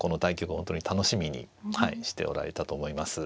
本当に楽しみにしておられたと思います。